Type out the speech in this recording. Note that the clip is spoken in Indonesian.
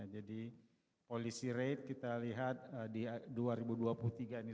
jadi policy rate kita lihat di dua ribu dua puluh tiga ini